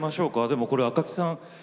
でもこれ赤木さん